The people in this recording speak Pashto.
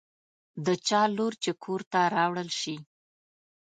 د چا لور چې کور ته راوړل شي.